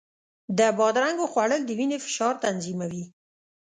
د بادرنګو خوړل د وینې فشار تنظیموي.